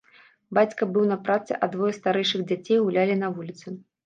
Бацька быў на працы, а двое старэйшых дзяцей гулялі на вуліцы.